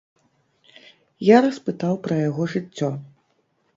Я распытаў пра яго жыццё.